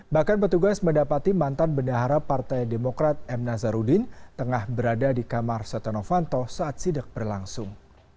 bahkan petugas mendapati mantan bendahara partai demokrat m nazarudin tengah berada di kamar setia novanto saat sidak berlangsung